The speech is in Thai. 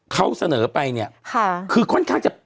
เขาเสนอไปเนี่ยคือค่อนข้างจะ